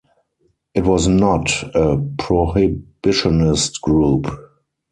It was not a prohibitionist group.